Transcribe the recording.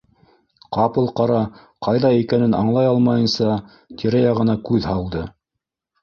Ҡапыл-ҡара ҡайҙа икәнен аңлай алмайынса, тирә-яғына күҙ һалды.